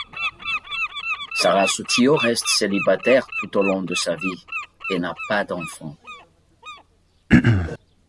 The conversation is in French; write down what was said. Sara Sotillo reste célibataire tout au long de sa vie et n'a pas d'enfants.